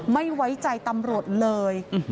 ไม่ไว้ใจตำรวจเลย